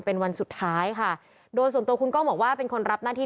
คือแม้ว่าจะมีการเลื่อนงานชาวพนักกิจแต่พิธีไว้อาลัยยังมีครบ๓วันเหมือนเดิม